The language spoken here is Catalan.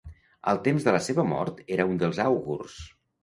Al temps de la seva mort era un dels àugurs.